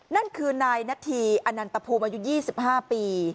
นั่นคือนายนาธีอนันตภูมิอายุ๒๕ปี